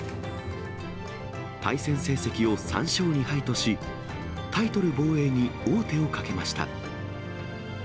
対戦成績を３勝２敗とし、タイトル防衛に王手をかけました。